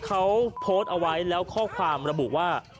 เขาโพสต์เอาไว้แล้วข้อความระบุว่า